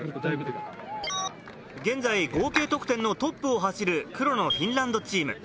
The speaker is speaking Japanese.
現在合計得点のトップを走る黒のフィンランドチーム。